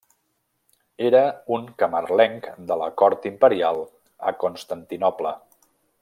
Era un camarlenc de la cort imperial a Constantinoble.